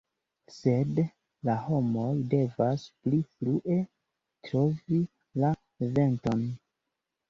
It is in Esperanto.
Sed la homoj devas pli frue trovi la venton”".